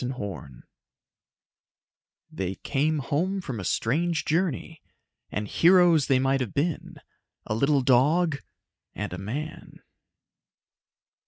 net _They came home from a strange journey.... And heroes they might have been a little dog and a man!